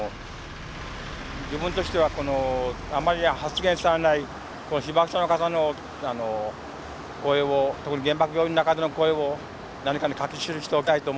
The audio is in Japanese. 自分としてはこのあまり発言されないこの被爆者の方の声を特に原爆が生んだ方の声を何かに書き記しておきたいと思った。